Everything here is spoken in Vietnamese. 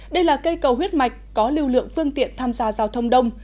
đây là cây cầu huyết mạch có lưu lượng phương tiện tham gia giao thông đông